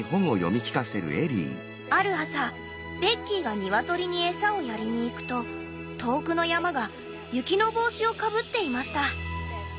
「ある朝ベッキーがニワトリに餌をやりにいくと遠くの山が雪の帽子をかぶっていました。